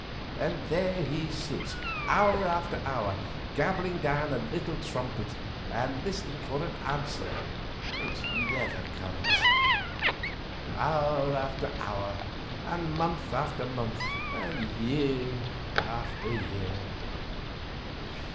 And there he sits hour after hour gabbling down a little trumpet and listening for an answer which never comes—hour after hour, and month after month, and year after year.